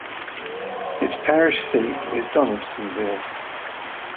Its parish seat is Donaldsonville.